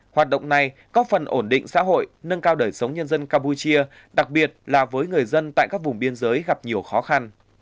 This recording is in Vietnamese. hoạt động này có phần ổn định xã hội nâng cao đời sống nhân dân campuchia đặc biệt là với người dân tại các vùng biên giới gặp nhiều khó khăn